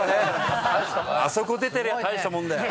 あそこ出てりゃ大したもんだよ。